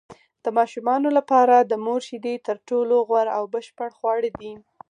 د ماشومانو لپاره د مور شیدې تر ټولو غوره او بشپړ خواړه دي.